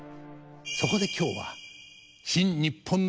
そこで今日は「新・にっぽんの芸能」